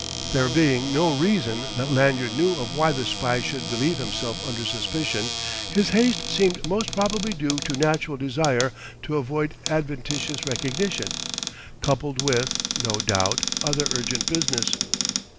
There being no reason that Lanyard knew of why the spy should believe himself under suspicion, his haste seemed most probably due to natural desire to avoid adventitious recognition, coupled with, no doubt, other urgent business.